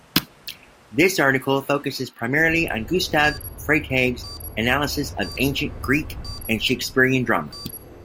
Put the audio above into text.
This article focuses primarily on Gustav Freytag's analysis of ancient Greek and Shakespearean drama.